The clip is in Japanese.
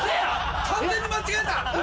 完全に間違えた！